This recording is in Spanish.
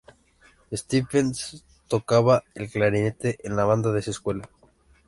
Stephens tocaba el clarinete en la banda de su escuela.